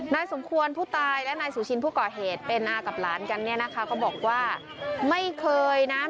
สมควรผู้ตายและนายสุชินผู้ก่อเหตุเป็นอากับหลานกันเนี่ยนะคะก็บอกว่าไม่เคยนะ